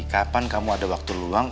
kapan kamu ada waktu luang